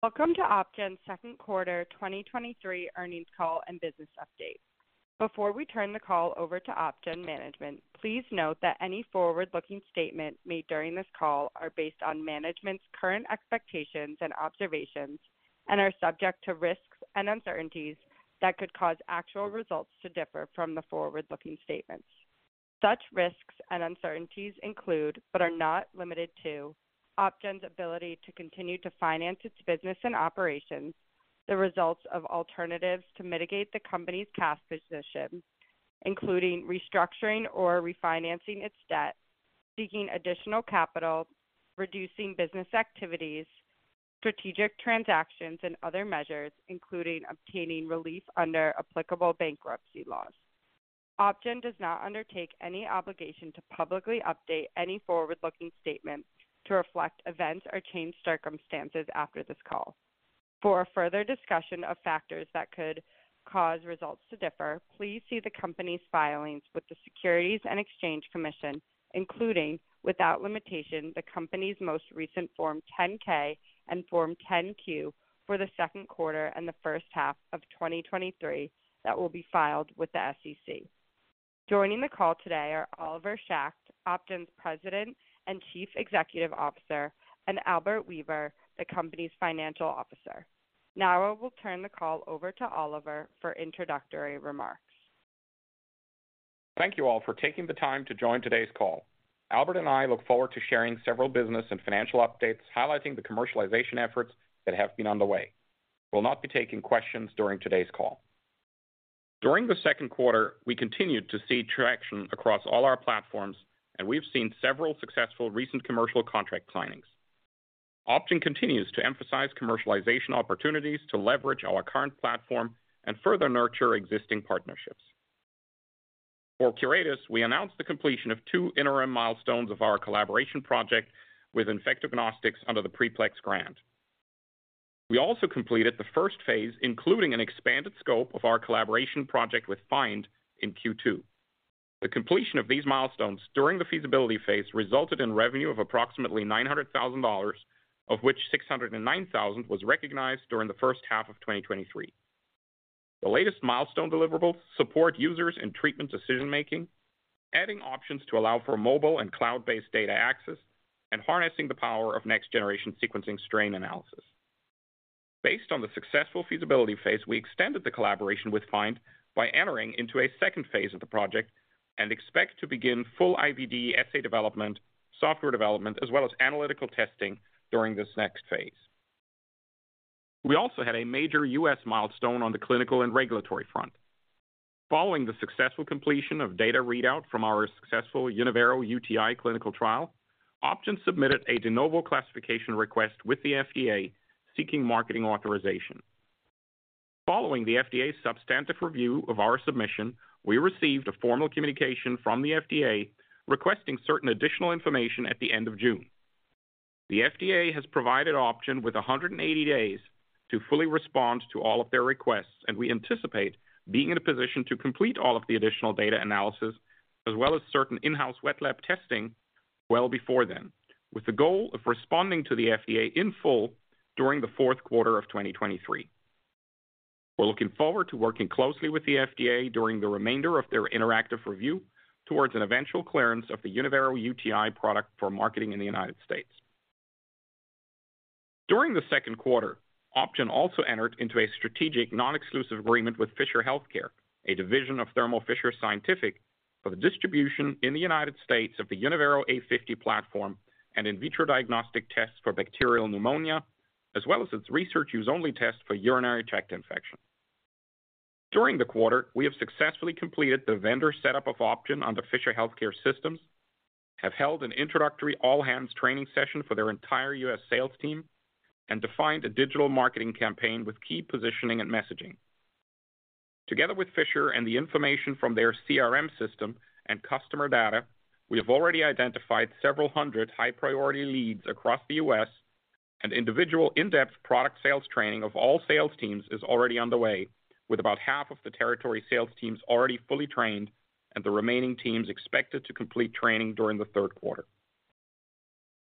Welcome to OpGen's second quarter 2023 earnings call and business update. Before we turn the call over to OpGen management, please note that any forward-looking statements made during this call are based on management's current expectations and observations, and are subject to risks and uncertainties that could cause actual results to differ from the forward-looking statements. Such risks and uncertainties include, but are not limited to, OpGen's ability to continue to finance its business and operations, the results of alternatives to mitigate the company's cash position, including restructuring or refinancing its debt, seeking additional capital, reducing business activities, strategic transactions, and other measures, including obtaining relief under applicable bankruptcy laws. OpGen does not undertake any obligation to publicly update any forward-looking statements to reflect events or changed circumstances after this call.. For a further discussion of factors that could cause results to differ, please see the company's filings with the Securities and Exchange Commission, including, without limitation, the company's most recent Form 10-K and Form 10-Q for the second quarter and the first half of 2023 that will be filed with the SEC. Joining the call today are Oliver Schacht, OpGen's President and Chief Executive Officer, and Albert Weber, the company's Financial Officer. Now I will turn the call over to Oliver for introductory remarks. Thank you all for taking the time to join today's call. Albert and I look forward to sharing several business and financial updates, highlighting the commercialization efforts that have been underway. We will not be taking questions during today's call. During the second quarter, we continued to see traction across all our platforms, and we've seen several successful recent commercial contract signings. OpGen continues to emphasize commercialization opportunities to leverage our current platform and further nurture existing partnerships. For Curetis, we announced the completion of two interim milestones of our collaboration project with Infecto Gnostics under the PREPLEX grant. We also completed the first phase, including an expanded scope of our collaboration project with FIND in Q2. The completion of these milestones during the feasibility phase resulted in revenue of approximately $900,000, of which $609,000 was recognized during the first half of 2023. The latest milestone deliverables support users in treatment decision-making, adding options to allow for mobile and cloud-based data access, and harnessing the power of next-generation sequencing strain analysis. Based on the successful feasibility phase, we extended the collaboration with FIND by entering into a second phase of the project and expect to begin full IVD essay development, software development, as well as analytical testing during this next phase. We also had a major U.S. milestone on the clinical and regulatory front. Following the successful completion of data readout from our successful Unyvero UTI clinical trial, OpGen submitted a de novo classification request with the FDA, seeking marketing authorization. Following the FDA's substantive review of our submission, we received a formal communication from the FDA requesting certain additional information at the end of June. The FDA has provided OpGen with 180 days to fully respond to all of their requests. We anticipate being in a position to complete all of the additional data analysis as well as certain in-house wet lab testing well before then, with the goal of responding to the FDA in full during the fourth quarter of 2023. We're looking forward to working closely with the FDA during the remainder of their interactive review towards an eventual clearance of the Unyvero UTI product for marketing in the United States. During the second quarter, OpGen also entered into a strategic, non-exclusive agreement with Fisher HealthCare, a division of Thermo Fisher Scientific, for the distribution in the United States of the Unyvero A50 platform and in vitro diagnostic tests for bacterial pneumonia, as well as its research use only test for urinary tract infection. During the quarter, we have successfully completed the vendor setup of OpGen on the Fisher HealthCare systems, have held an introductory all-hands training session for their entire U.S. sales team and defined a digital marketing campaign with key positioning and messaging. Together with Fisher and the information from their CRM system and customer data, we have already identified several hundred high-priority leads across the U.S., and individual in-depth product sales training of all sales teams is already underway, with about half of the territory sales teams already fully trained and the remaining teams expected to complete training during the third quarter.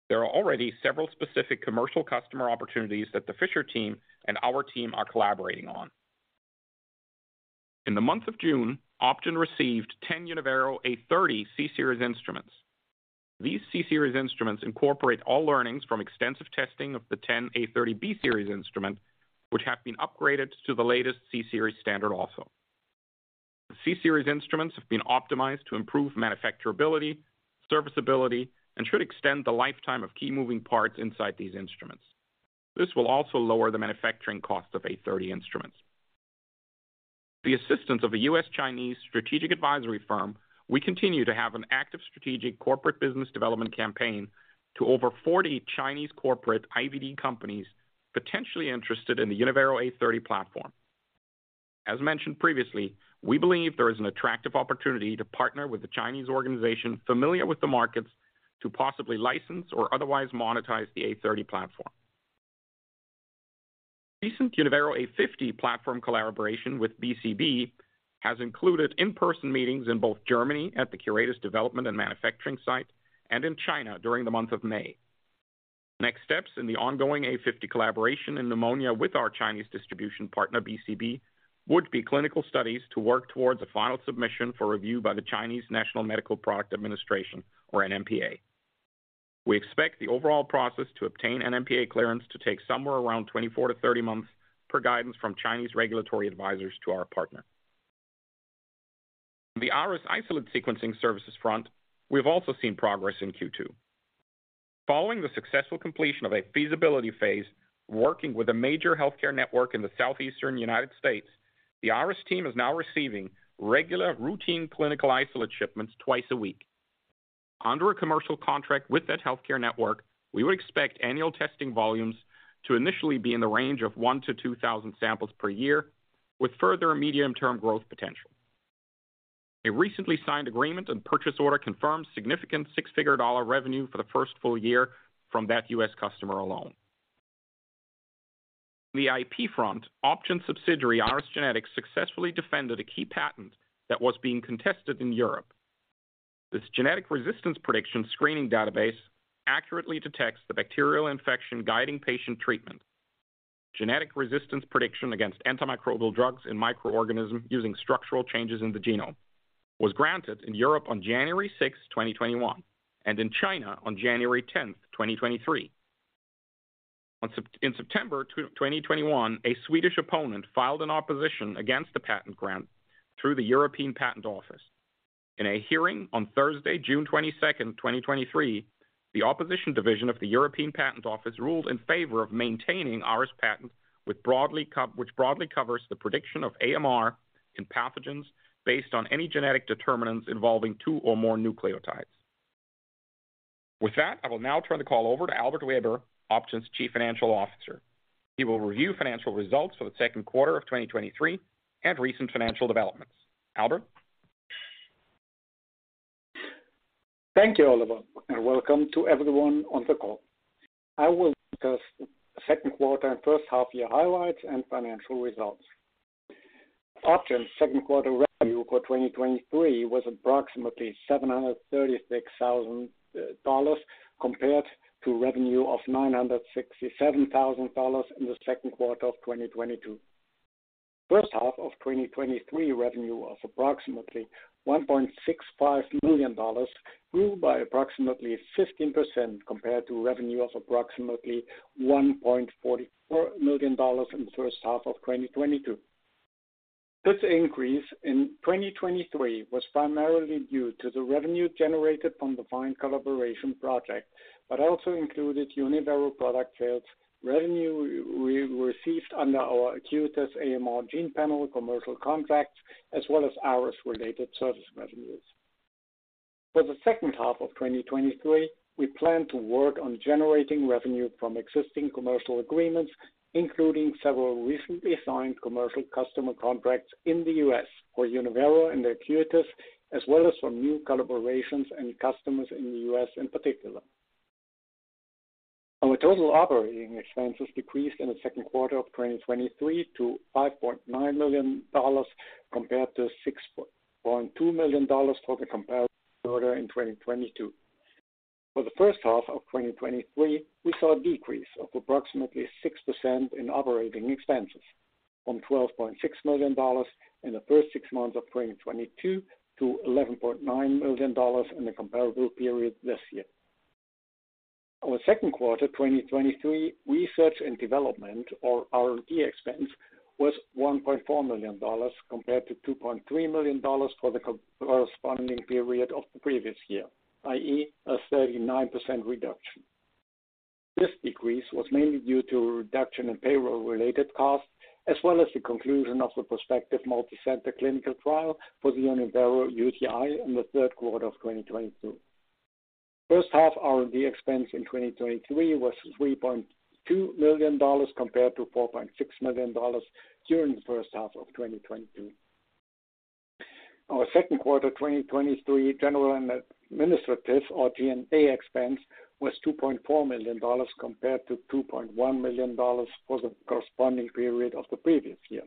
There are already several specific commercial customer opportunities that the Fisher team and our team are collaborating on. In the month of June, OpGen received 10 Unyvero Unyvero A30 C-Series instruments. These C-Series instruments incorporate all learnings from extensive testing of the 10 Unyvero A30 B-Series instrument, which have been upgraded to the latest C-Series standard also. The C-Series instruments have been optimized to improve manufacturability, serviceability, and should extend the lifetime of key moving parts inside these instruments. This will also lower the manufacturing cost of Unyvero A30 instruments. The assistance of a U.S.-Chinese strategic advisory firm, we continue to have an active strategic corporate business development campaign to over 40 Chinese corporate IVD companies potentially interested in the Unyvero A30 platform. As mentioned previously, we believe there is an attractive opportunity to partner with a Chinese organization familiar with the markets to possibly license or otherwise monetize the Unyvero A30 platform. Recent Unyvero A50 platform collaboration with BCB. has included in-person meetings in both Germany at the Curetis development and manufacturing site, and in China during the month of May. Next steps in the ongoing A50 collaboration in pneumonia with our Chinese distribution partner, BCB, would be clinical studies to work towards a final submission for review by the Chinese National Medical Products Administration, or NMPA. We expect the overall process to obtain NMPA clearance to take somewhere around 24-30 months, per guidance from Chinese regulatory advisors to our partner. The Ares isolate sequencing services front, we've also seen progress in Q2. Following the successful completion of a feasibility phase, working with a major healthcare network in the southeastern United States, the Ares team is now receiving regular, routine clinical isolate shipments twice a week. Under a commercial contract with that healthcare network, we would expect annual testing volumes to initially be in the range of 1,000-2,000 samples per year, with further medium-term growth potential. A recently signed agreement and purchase order confirms significant six-figure dollar revenue for the first full year from that U.S. customer alone. On the IP front, OpGen subsidiary, Ares Genetics, successfully defended a key patent that was being contested in Europe. This genetic resistance prediction screening database accurately detects the bacterial infection guiding patient treatment. Genetic resistance prediction against antimicrobial drugs in microorganism using structural changes in the genome was granted in Europe on January 6, 2021, and in China on January 10, 2023. On in September 2, 2021, a Swedish opponent filed an opposition against the patent grant through the European Patent Office. In a hearing on Thursday, June 22, 2023, the opposition division of the European Patent Office ruled in favor of maintaining Ares patent, which broadly covers the prediction of AMR in pathogens based on any genetic determinants involving 2 or more nucleotides. With that, I will now turn the call over to Albert Weber, OpGen's Chief Financial Officer. He will review financial results for the second quarter of 2023 and recent financial developments. Albert? Thank you, Oliver, and welcome to everyone on the call. I will discuss the second quarter and first half year highlights and financial results. OpGen's second quarter revenue for 2023 was approximately $736,000, compared to revenue of $967,000 in the second quarter of 2022. First half of 2023 revenue of approximately $1.65 million, grew by approximately 15% compared to revenue of approximately $1.44 million in the first half of 2022. This increase in 2023 was primarily due to the revenue generated from the FIND collaboration project, but also included Unyvero product sales, revenue we received under our Acuitas AMR Gene Panel commercial contracts, as well as Ares related service revenues. For the second half of 2023, we plan to work on generating revenue from existing commercial agreements, including several recently signed commercial customer contracts in the U.S. for Unyvero and Acuitas, as well as from new collaborations and customers in the U.S. in particular. Our total operating expenses decreased in the second quarter of 2023 to $5.9 million, compared to $6.2 million for the comparable quarter in 2022. For the first half of 2023, we saw a decrease of approximately 6% in operating expenses, from $12.6 million in the first six months of 2022 to $11.9 million in the comparable period this year. Our second quarter, 2023, research and development, or R&D expense, was $1.4 million, compared to $2.3 million for the corresponding period of the previous year, i.e., a 39% reduction. This decrease was mainly due to a reduction in payroll-related costs, as well as the conclusion of the prospective multicenter clinical trial for the Unyvero UTI in the third quarter of 2022. First half R&D expense in 2023 was $3.2 million, compared to $4.6 million during the first half of 2022. Our second quarter, 2023, general and administrative, or G&A expense, was $2.4 million, compared to $2.1 million for the corresponding period of the previous year.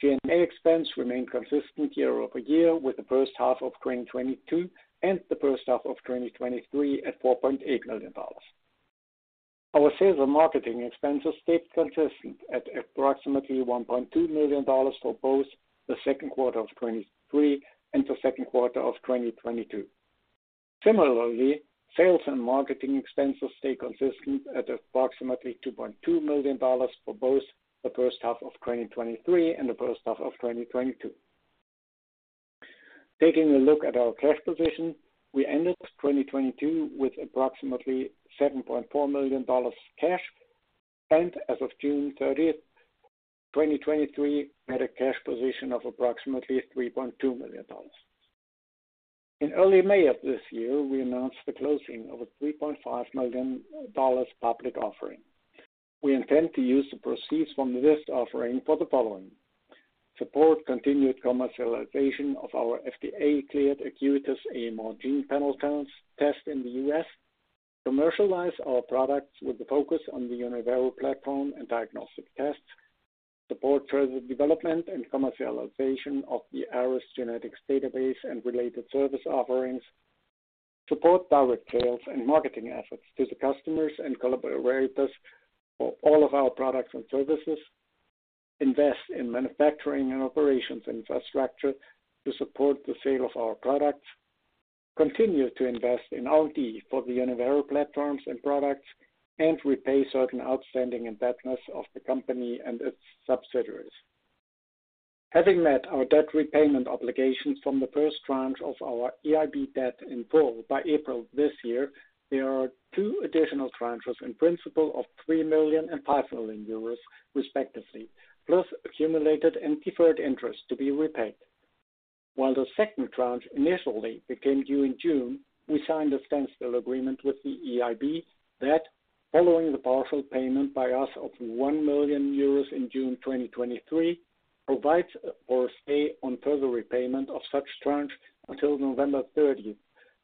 G&A expense remained consistent year-over-year, with the first half of 2022 and the first half of 2023 at $4.8 million. Our sales and marketing expenses stayed consistent at approximately $1.2 million for both the second quarter of 2023 and the second quarter of 2022. Similarly, sales and marketing expenses stay consistent at approximately $2.2 million for both the first half of 2023 and the first half of 2022. Taking a look at our cash position, we ended 2022 with approximately $7.4 million cash, and as of June thirtieth, 2023, had a cash position of approximately $3.2 million. In early May of this year, we announced the closing of a $3.5 million public offering. We intend to use the proceeds from this offering for the following: support continued commercialization of our FDA-cleared Acuitas AMR Gene Panel test in the U.S., commercialize our products with the focus on the Unyvero platform and diagnostic tests, support further development and commercialization of the Ares Genetics database and related service offerings, support direct sales and marketing efforts to the customers and collaborators for all of our products and services, invest in manufacturing and operations infrastructure to support the sale of our products, continue to invest in R&D for the Unyvero platforms and products, and repay certain outstanding indebtedness of the company and its subsidiaries. Having met our debt repayment obligations from the first tranche of our EIB debt in full by April this year, there are two additional tranches in principle of 3 million and 5 million euros respectively, plus accumulated and deferred interest to be repaid. While the second tranche initially became due in June, we signed a standstill agreement with the EIB that, following the partial payment by us of 1 million euros in June 2023, provides for a stay on further repayment of such tranches until November 30,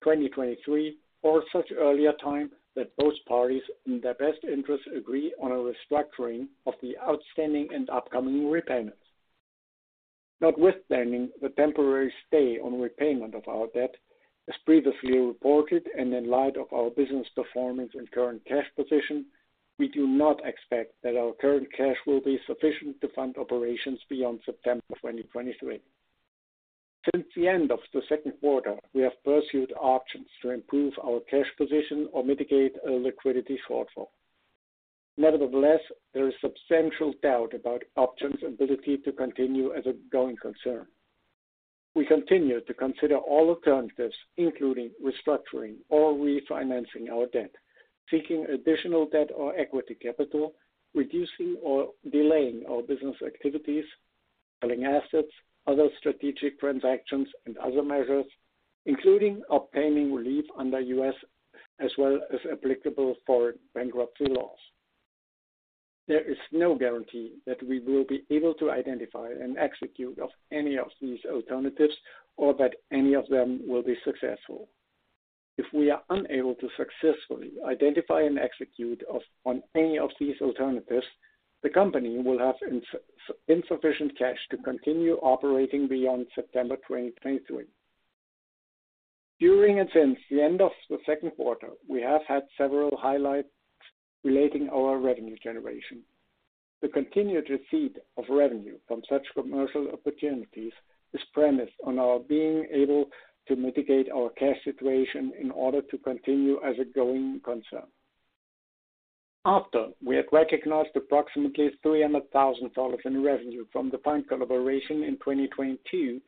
2023, or such earlier time that both parties, in their best interests, agree on a restructuring of the outstanding and upcoming repayments. Notwithstanding the temporary stay on repayment of our debt, as previously reported and in light of our business performance and current cash position, we do not expect that our current cash will be sufficient to fund operations beyond September 2023. Since the end of the second quarter, we have pursued options to improve our cash position or mitigate a liquidity shortfall. Nevertheless, there is substantial doubt about OpGen's ability to continue as a going concern. We continue to consider all alternatives, including restructuring or refinancing our debt, seeking additional debt or equity capital, reducing or delaying our business activities, selling assets, other strategic transactions, and other measures, including obtaining relief under U.S. as well as applicable foreign bankruptcy laws. There is no guarantee that we will be able to identify and execute of any of these alternatives, or that any of them will be successful. If we are unable to successfully identify and execute of on any of these alternatives, the company will have insufficient cash to continue operating beyond September 2023. During and since the end of the second quarter, we have had several highlights relating our revenue generation. The continued receipt of revenue from such commercial opportunities is premised on our being able to mitigate our cash situation in order to continue as a going concern. After we had recognized approximately $300,000 in revenue from the FIND collaboration in 2022,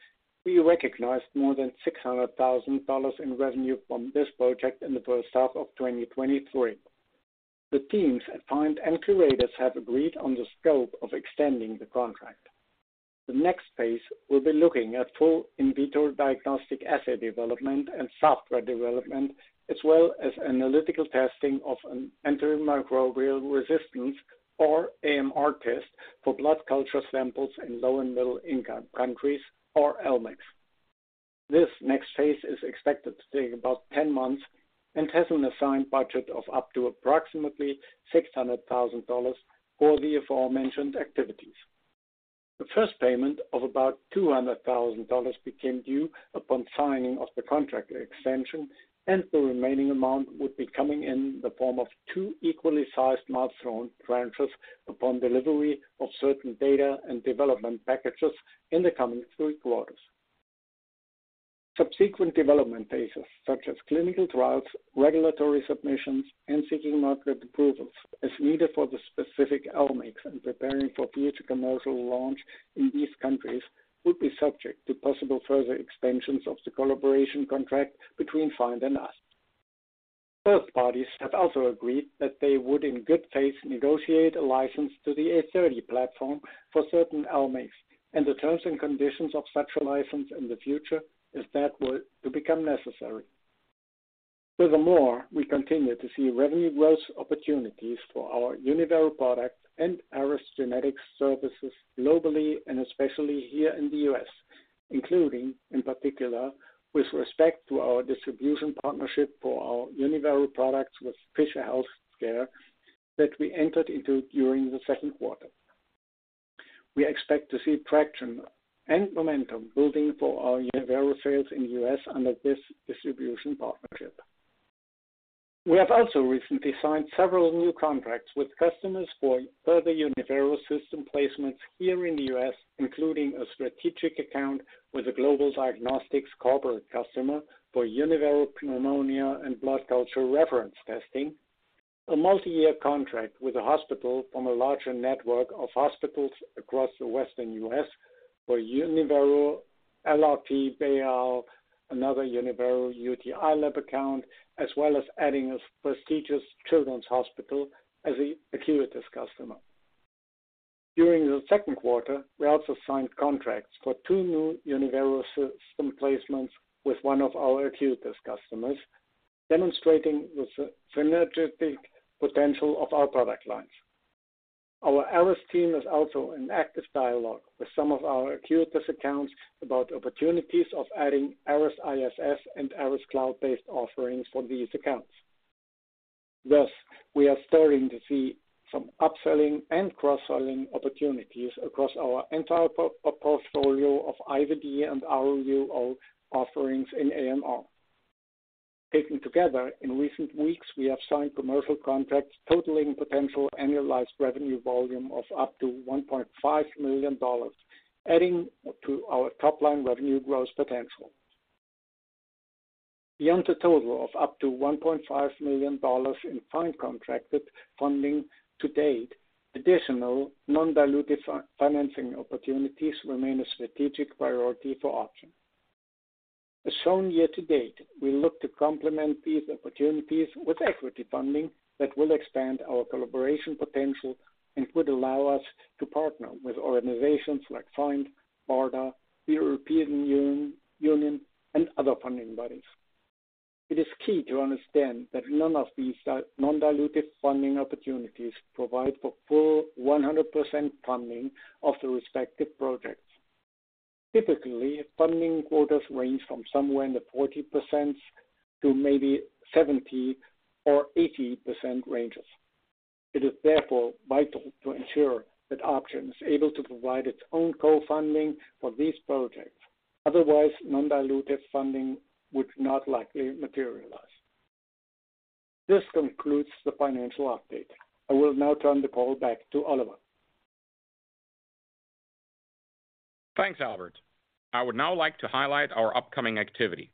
we recognized more than $600,000 in revenue from this project in the first half of 2023. The teams at FIND and Curetis have agreed on the scope of extending the contract. The next phase will be looking at full in vitro diagnostic assay development and software development, as well as analytical testing of an antimicrobial resistance or AMR test for blood culture samples in low and middle-income countries or LMICs. This next phase is expected to take about 10 months and has an assigned budget of up to approximately $600,000 for the aforementioned activities. The first payment of about $200,000 became due upon signing of the contract extension. The remaining amount would be coming in the form of 2 equally sized milestone tranches upon delivery of certain data and development packages in the coming three quarters. Subsequent development phases, such as clinical trials, regulatory submissions, and seeking market approvals as needed for the specific LMICs and preparing for future commercial launch in these countries, would be subject to possible further extensions of the collaboration contract between FIND and us. Both parties have also agreed that they would, in good faith, negotiate a license to the A30 platform for certain LMICs, and the terms and conditions of such a license in the future, if that were to become necessary. Furthermore, we continue to see revenue growth opportunities for our Unyvero products and Ares Genetics services globally and especially here in the U.S., including, in particular, with respect to our distribution partnership for our Unyvero products with Fisher Health Care that we entered into during the second quarter. We expect to see traction and momentum building for our Unyvero sales in the U.S. under this distribution partnership. We have also recently signed several new contracts with customers for further Unyvero system placements here in the U.S., including a strategic account with a global diagnostics corporate customer for Unyvero pneumonia and blood culture reference testing, a multi-year contract with a hospital from a larger network of hospitals across the western U.S. for Unyvero LLP, Bayer, another Unyvero UTI lab account, as well as adding a prestigious children's hospital as an Acuitas customer. During the second quarter, we also signed contracts for two new Unyvero system placements with one of our Acuitas customers, demonstrating the synergetic potential of our product lines. Our Ares team is also in active dialogue with some of our Acuitas accounts about opportunities of adding ARESiss and Ares cloud-based offerings for these accounts. We are starting to see some upselling and cross-selling opportunities across our entire portfolio of IVD and RUO offerings in AMR. Taken together, in recent weeks, we have signed commercial contracts totaling potential annualized revenue volume of up to $1.5 million, adding to our top-line revenue growth potential. Beyond the total of up to $1.5 million in FIND contracted funding to date, additional non-dilutive financing opportunities remain a strategic priority for OpGen. As shown year to date, we look to complement these opportunities with equity funding that will expand our collaboration potential and would allow us to partner with organizations like FIND, BARDA, the European Union, and other funding bodies. It is key to understand that none of these non-dilutive funding opportunities provide for full 100% funding of the respective projects. Typically, funding quotas range from somewhere in the 40% to maybe 70%-80% ranges. It is therefore vital to ensure that OpGen is able to provide its own co-funding for these projects, otherwise, non-dilutive funding would not likely materialize. This concludes the financial update. I will now turn the call back to Oliver. Thanks, Albert. I would now like to highlight our upcoming activity.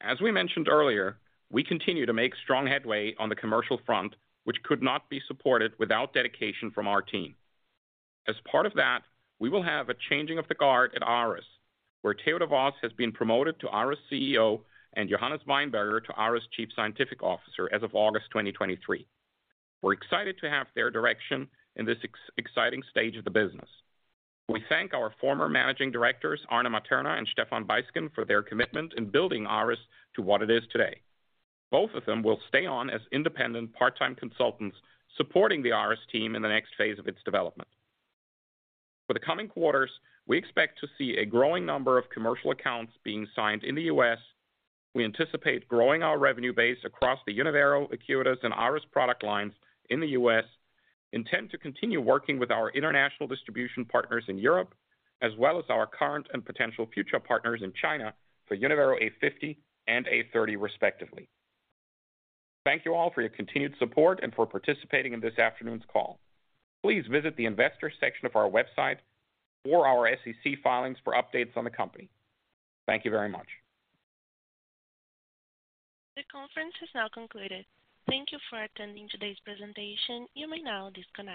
As we mentioned earlier, we continue to make strong headway on the commercial front, which could not be supported without dedication from our team. As part of that, we will have a changing of the guard at Ares, where Theo de Vos has been promoted to Ares CEO and Johannes Weinberger to Ares Chief Scientific Officer as of August 2023. We're excited to have their direction in this exciting stage of the business. We thank our former managing directors, Arne Materna and Stephan Beisken, for their commitment in building Ares to what it is today. Both of them will stay on as independent, part-time consultants, supporting the Ares team in the next phase of its development. For the coming quarters, we expect to see a growing number of commercial accounts being signed in the U.S. We anticipate growing our revenue base across the Unyvero, Acuitas, and ARESiss product lines in the U.S., intend to continue working with our international distribution partners in Europe, as well as our current and potential future partners in China for Unyvero A50 and A30, respectively. Thank you all for your continued support and for participating in this afternoon's call. Please visit the investors section of our website or our SEC filings for updates on the company. Thank you very much. The conference is now concluded. Thank you for attending today's presentation. You may now disconnect.